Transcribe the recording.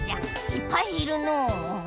いっぱいいるのう。